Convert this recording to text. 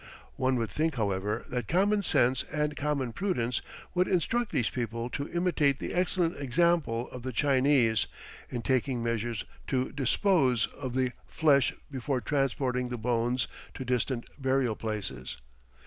One would think, however, that common sense and common prudence would instruct these people to imitate the excellent example of the Chinese, in taking measures to dispose of the flesh before transporting the bones to distant burial places.